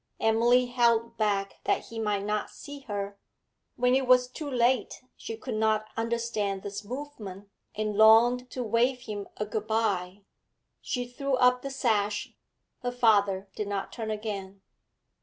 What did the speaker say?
Emily held back that he might not see her; when it was too late she could not understand this movement, and longed to wave him a good bye. She threw up the sash; her father did not turn again.